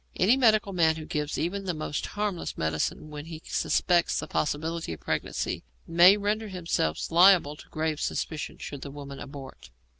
Any medical man who gives even the most harmless medicine where he suspects the possibility of pregnancy may render himself liable to grave suspicion should the woman abort.